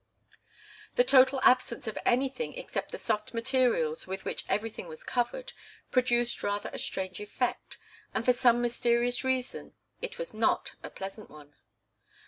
The total absence of anything except the soft materials with which everything was covered, produced rather a strange effect, and for some mysterious reason it was not a pleasant one.